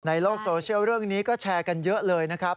ในโลกโซเชียลเรื่องนี้ก็แชร์กันเยอะเลยนะครับ